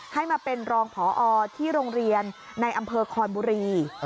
ให้มาเป็นรองพอที่โรงเรียนในอำเภอคอนบุรี